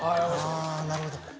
あぁなるほど。